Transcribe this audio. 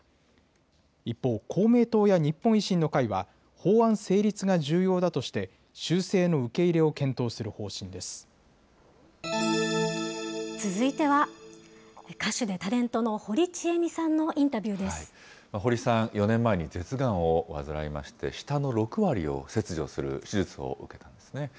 一方、公明党や日本維新の会は、法案成立が重要だとして、修正の続いては、歌手でタレントの堀さん、４年前に舌がんを患いまして、舌の６割を切除する手術を受けたんですね。